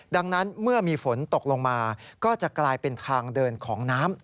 ดังนั้นเมื่อมีฝนตกลงมาก็จะกลายเป็นทางเดินของน้ำ